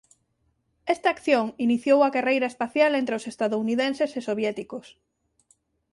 Esta acción iniciou a carreira espacial entre os estadounidenses e soviéticos.